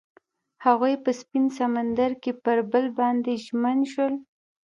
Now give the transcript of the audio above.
هغوی په سپین سمندر کې پر بل باندې ژمن شول.